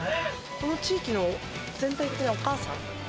この地域の全体的なお母さん。